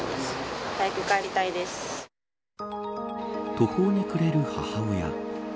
途方に暮れる母親。